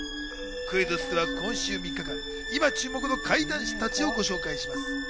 クイズッスでは今週３日間、今注目の怪談師たちをご紹介します。